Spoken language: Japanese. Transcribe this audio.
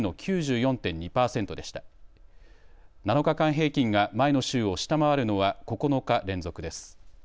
７日間平均が前の週を下回るのは９日連続です。